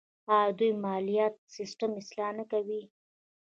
آیا دوی مالیاتي سیستم اصلاح نه کوي؟